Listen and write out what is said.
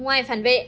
ngoài phản vệ